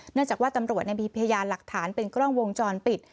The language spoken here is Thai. เนื่องจากว่าตำรวจมีพยานหลักฐานเป็นกล้องวงจรปิด